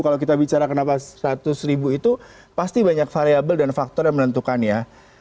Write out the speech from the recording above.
kalau kita bicara kenapa seratus ribu itu pasti banyak variable dan faktor yang menentukan ya